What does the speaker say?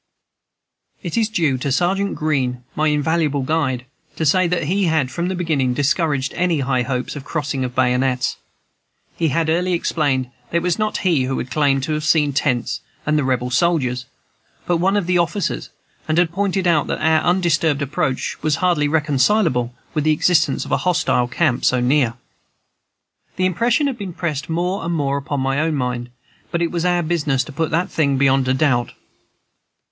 It is due to Sergeant Greene, my invaluable guide, to say that he had from the beginning discouraged any high hopes of a crossing of bayonets. He had early explained that it was not he who claimed to have seen the tents and the Rebel soldiers, but one of the officers, and had pointed out that our undisturbed approach was hardly reconcilable with the existence of a hostile camp so near. This impression had also pressed more and more upon my own mind, but it was our business to put the thing beyond a doubt.